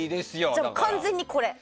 じゃあ、完全にこれ。